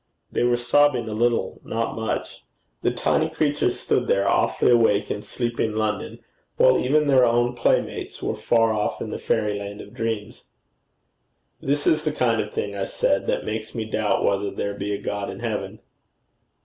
They were sobbing a little not much. The tiny creatures stood there awfully awake in sleeping London, while even their own playmates were far off in the fairyland of dreams. 'This is the kind of thing,' I said, 'that makes me doubt whether there be a God in heaven.'